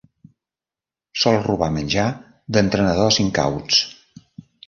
Sol robar menjar d'entrenadors incauts.